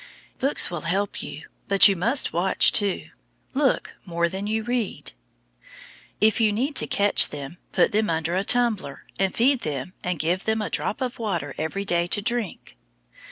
Books will help you, but you must watch, too. Look more than you read. If you need to catch them, put them under a tumbler, and feed them and give them a drop of water every day to drink.